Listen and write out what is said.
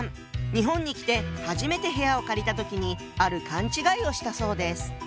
日本に来て初めて部屋を借りた時にある勘違いをしたそうです。